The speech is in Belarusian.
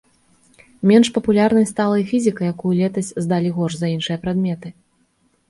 Менш папулярнай стала і фізіка, якую летась здалі горш за іншыя прадметы.